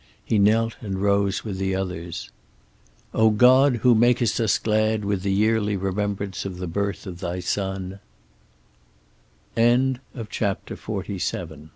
He knelt and rose with the others. "O God, who makest us glad with the yearly remembrance of the birth of Thy Son " XLVIII David was beaten; mo